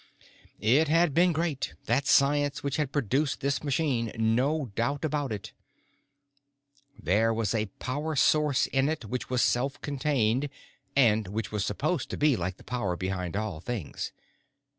It had been great, that science which had produced this machine, no doubt about it. There was a power source in it which was self contained, and which was supposed to be like the power behind all things.